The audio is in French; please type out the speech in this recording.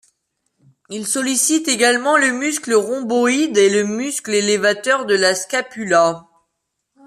Il sollicite également le muscle rhomboïde et le muscle élévateur de la scapula.